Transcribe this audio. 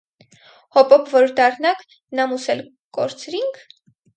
Հոպոպ որ դառանք, նամուս էլ կորցրի՞նք…